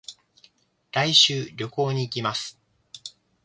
来週、旅行に行きます。